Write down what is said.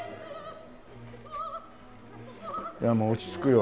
いやもう落ち着くよ。